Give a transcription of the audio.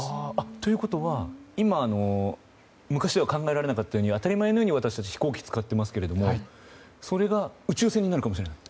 ということは今では昔は考えられなかったように当たり前のように私たちは飛行機を使っていますけれどそれが宇宙船になるかもしれないと？